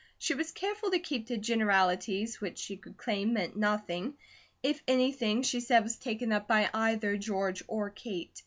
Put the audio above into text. She was careful to keep to generalities which she could claim meant nothing, if anything she said was taken up by either George or Kate.